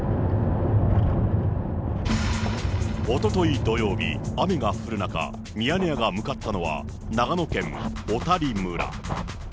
おととい土曜日、雨が降る中、ミヤネ屋が向かったのは、長野県小谷村。